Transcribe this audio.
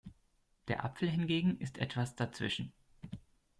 Der Apfel hingegen ist etwas dazwischen.